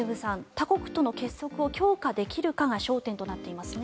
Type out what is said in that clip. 他国との結束を強化できるかが焦点となっていますね。